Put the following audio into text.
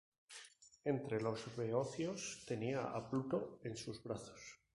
Entre los beocios, tenía a Pluto en sus brazos.